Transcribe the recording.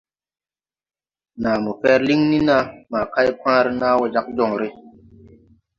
Naa mo fɛr liŋ ni naa ma kay paare naa wo jāg joŋre.